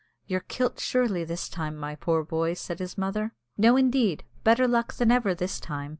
"You're kilt surely this time, my poor boy," said his mother. "No, indeed, better luck than ever this time!"